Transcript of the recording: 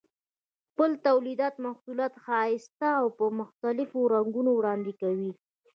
خپل تولیدي محصولات ښایسته او په مختلفو رنګونو وړاندې کوي.